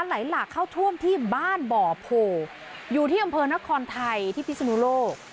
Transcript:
ไหลหลากเข้าท่วมที่บ้านบ่อโพอยู่ที่อำเภอนครไทยที่พิศนุโลก